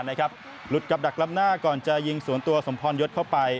หลุดกับดักล้ำหน้าก่อนจะยิงสวนตัวสมพรยศเข้าไป